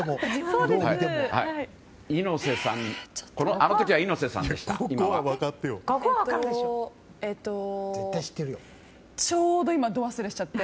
あの時は猪瀬さんでした。